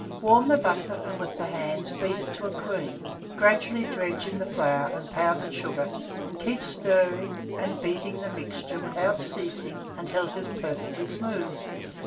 Warm the butter, and with the hands beat it to a cream; gradually dredge in the flour and pounded sugar, and keep stirring and beating the mixture without ceasing until it is perfectly smooth.